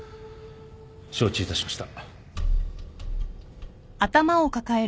承知いたしました。